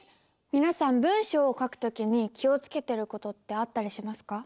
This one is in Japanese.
皆さん文章を書く時に気を付けてる事ってあったりしますか？